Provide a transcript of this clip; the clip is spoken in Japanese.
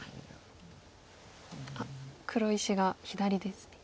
あっ黒石が左ですね。